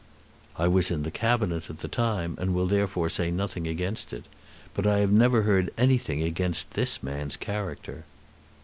"I was in the Cabinet at the time, and will therefore say nothing against it. But I have never heard anything against this man's character."